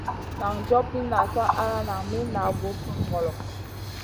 Nan job mi nazion al nan mi na voo sùn ŋolo.